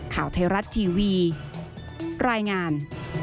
ข่าวไทยรัฐทีวีรายงาน